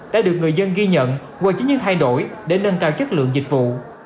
đã được người dân ghi nhận quân chính nhân thay đổi để nâng cao chất lượng dịch vụ